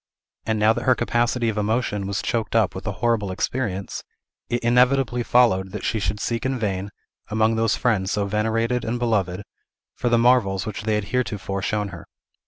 And now that her capacity of emotion was choked up with a horrible experience, it inevitably followed that she should seek in vain, among those friends so venerated and beloved, for the marvels which they had heretofore shown her.